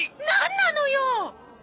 なんなのよ！